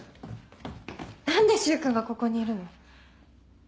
何で柊君がここにいるの？